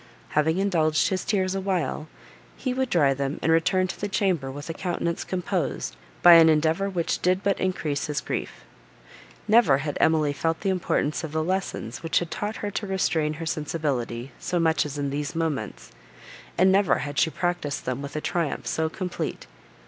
Having indulged his tears a while, he would dry them and return to the chamber with a countenance composed by an endeavour which did but increase his grief. Never had Emily felt the importance of the lessons, which had taught her to restrain her sensibility, so much as in these moments, and never had she practised them with a triumph so complete.